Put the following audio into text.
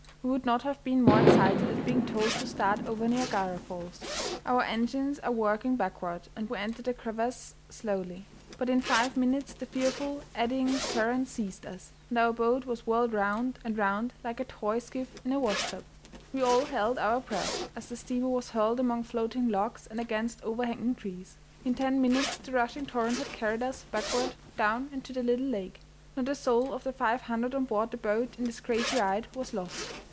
We would not have been more excited at being told to start over Niagara Falls. Our engines are working backward and we enter the crevasse slowly, but in five minutes the fearful, eddying current seized us, and our boat was whirled round and round like a toy skiff in a washtub. We all held our breath as the steamer was hurled among floating logs and against overhanging trees. In ten minutes the rushing torrent had carried us, backward, down into the little lake. Not a soul of the five hundred on board the boat in this crazy ride was lost.